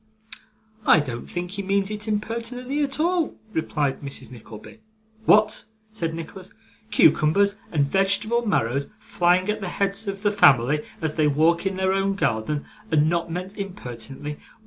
'I don't think he means it impertinently at all,' replied Mrs. Nickleby. 'What!' said Nicholas, 'cucumbers and vegetable marrows flying at the heads of the family as they walk in their own garden, and not meant impertinently!